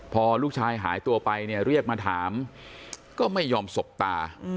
พอลูกชายหายตัวไปเนี่ยเรียกมาถามก็ไม่ยอมสบตา